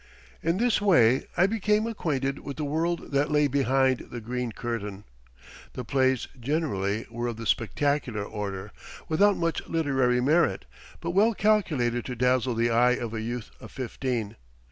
In this way I became acquainted with the world that lay behind the green curtain. The plays, generally, were of the spectacular order; without much literary merit, but well calculated to dazzle the eye of a youth of fifteen.